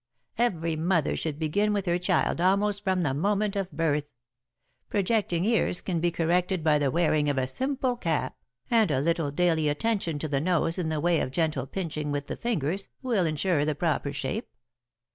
'Every mother should begin with her child almost from the moment of birth. Projecting ears can be corrected by the wearing of a simple cap, and a little daily attention to the nose in the way of gentle pinching with the fingers, will insure the proper shape.